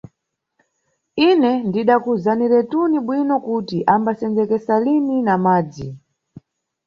Ine ndidakuwuzaniretu bwino kuti ambasenzekesa lini na madzi.